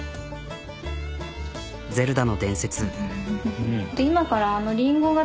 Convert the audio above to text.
ゼルダの伝説。